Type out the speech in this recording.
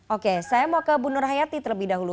oke saya mau ke bu nur hayati terlebih dahulu